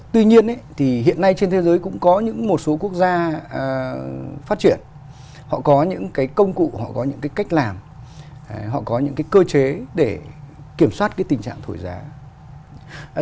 tuy nhiên thì hiện nay trên thế giới cũng có những một số quốc gia phát triển họ có những cái công cụ họ có những cái cách làm họ có những cái cơ chế để kiểm soát cái tình trạng thổi giá